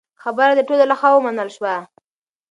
خبره د ټولو له خوا ومنل شوه.